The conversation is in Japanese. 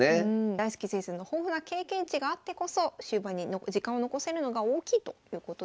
大介先生の豊富な経験値があってこそ終盤に時間を残せるのが大きいということでした。